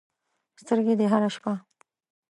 سترګې دې هره شپه